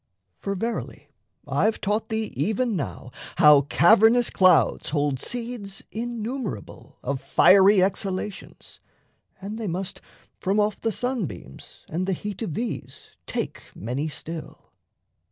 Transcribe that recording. For, verily, I've taught thee even now How cavernous clouds hold seeds innumerable Of fiery exhalations, and they must From off the sunbeams and the heat of these Take many still.